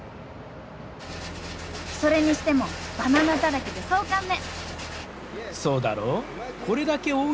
それにしてもバナナだらけで壮観ね！